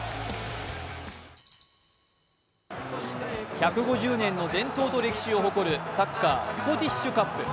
１５０年の伝統と歴史を誇るサッカースコティッシュカップ。